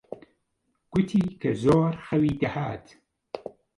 گوتی کە زۆر خەوی دەهات.